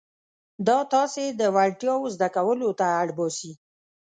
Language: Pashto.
دا تاسې د وړتیاوو زده کولو ته اړ باسي.